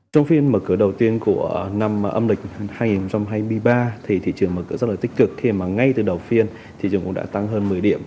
trong phiên mở cửa đầu tiên của năm âm lịch hai nghìn hai mươi ba thì thị trường mở cửa rất là tích cực khi mà ngay từ đầu phiên thị trường cũng đã tăng hơn một mươi điểm